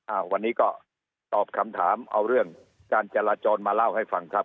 อ่าวันนี้ก็ตอบคำถามเอาเรื่องการจราจรมาเล่าให้ฟังครับ